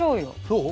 そう。